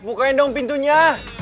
bukain dong pintunya